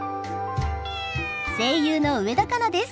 声優の植田佳奈です。